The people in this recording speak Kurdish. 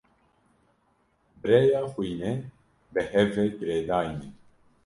Bi rêya xwînê bi hev ve girêdayî ne.